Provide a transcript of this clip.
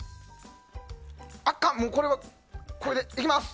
あかん、もうこれはこれでいきます。